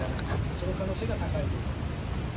その可能性が高いと思います。